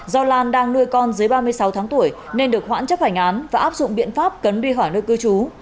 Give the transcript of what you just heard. do lan đang nuôi con dưới ba mươi sáu tháng tuổi nên được hoãn chấp hành án và áp dụng biện pháp cấn bi hỏi nơi cư trú